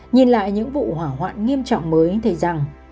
nhìn lại những vụ hỏa hoạn nghiêm trọng mới thấy rằng